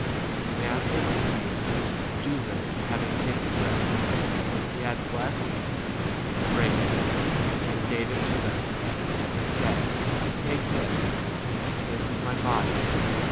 And as they were eating, Jesus having taken bread, when he had blessed, brake [it], and gave [it] to them, and said, Take u [this] : this is my 23 body.